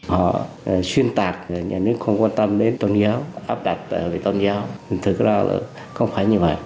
họ xuyên tạc nhà nước không quan tâm đến tôn giáo áp đặt về tôn giáo thực ra là không phải như vậy